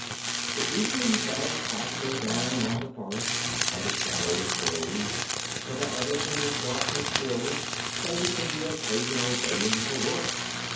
The evening fell softly down on the forest, and the shadows rose, so that everything was dark and still, save for the occasional baying of a wolf.